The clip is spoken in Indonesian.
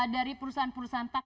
dari perusahaan perusahaan tak